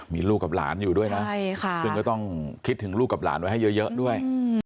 มีลูกกับหลานอยู่ด้วยนะซึ่งก็ต้องคิดถึงลูกกับหลานไว้ให้เยอะด้วย